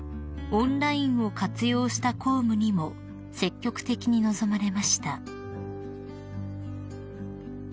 オンラインを活用した公務にも積極的に臨まれました］